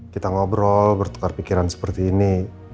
kita ngobrol bertukar pikiran seperti ini